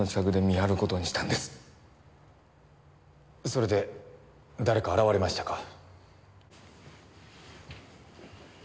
それで誰か現れましたか？